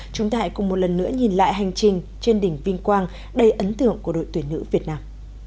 chúng ta hãy cùng một lần nữa nhìn lại hành trình trên đỉnh vinh quang đầy ấn tượng của đội tuyển nữ việt nam